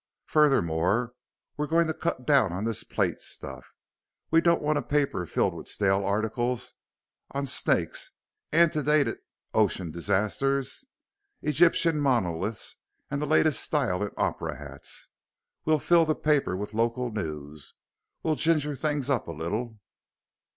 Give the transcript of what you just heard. Furthermore, we're going to cut down on this plate stuff; we don't want a paper filled with stale articles on snakes, antedated ocean disasters, Egyptian monoliths, and the latest style in opera hats. We'll fill the paper with local news we'll ginger things up a little.